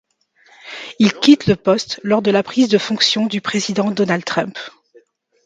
Il quitte le poste lors de la prise de fonctions du président Donald Trump.